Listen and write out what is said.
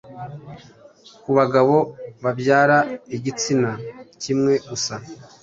Ku bagabo babyara igitsina kimwe gusa